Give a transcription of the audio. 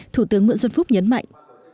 thủ tướng nguyễn xuân phúc nhấn mạnh